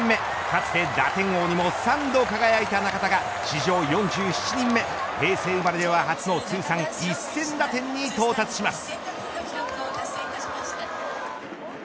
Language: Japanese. かつて打点王にも３度輝いた中田が史上４７人目平成生まれでは初の１０００打点に到達します。